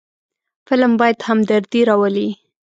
فلم باید همدردي راولي